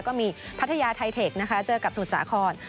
ก็มีพัทยาไทเทคนะคะเจอกับสุสาคอน